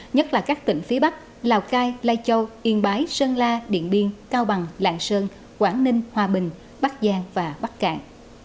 nhất là các tỉnh phía bắc lào cai lai châu yên bái sơn la điện biên cao bằng lạng sơn quảng ninh hòa bình bắc giang và bắc cạn